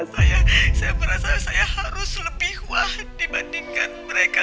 saya saya merasa saya harus lebih kuat dibandingkan mereka